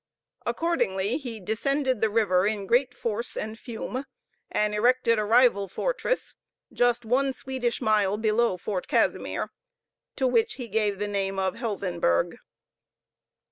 Accordingly he descended the river in great force and fume, and erected a rival fortress just one Swedish mile below Fort Casimir, to which he gave the name of Helsenburg.